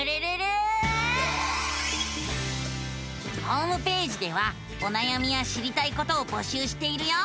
ホームページではおなやみや知りたいことを募集しているよ。